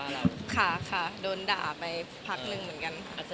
อ๋อไอมี่ค่ะโดนด่าไปพักหนึ่งเหมือนกันค่ะ